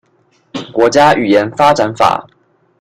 國家語言發展法